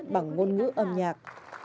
bằng ngôn ngữ âm nhạc